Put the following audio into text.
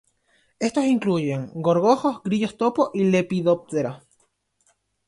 Estos incluyen gorgojos, grillos topo y lepidópteros.